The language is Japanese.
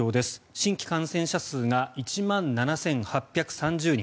新規感染者数が１万７８３０人。